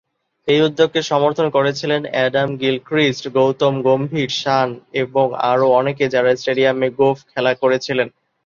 এই উদ্যোগকে সমর্থন করেছিলেন অ্যাডাম গিলক্রিস্ট, গৌতম গম্ভীর, শান এবং আরও অনেকে যারা স্টেডিয়ামে গোঁফ খেলা করেছিলেন।